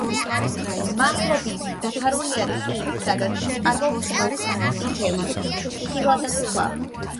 მაღლობი დაფარულია ტყით, სადაც ჭარბობს მუხა, წიფელი, რცხილა და სხვა.